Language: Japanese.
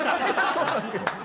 そうなんですよ。